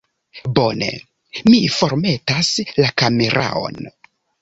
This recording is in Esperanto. Bone, mi formetas la kameraon